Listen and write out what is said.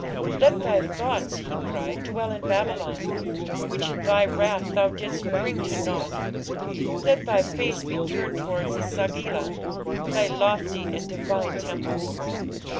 "Let thy thoughts", he cried, "dwell in Babylon, which in thy wrath thou didst bring to naught. Let thy face be turned towards E sagila, thy lofty and divine temple.